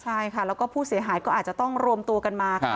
ใช่ค่ะแล้วก็ผู้เสียหายก็อาจจะต้องรวมตัวกันมา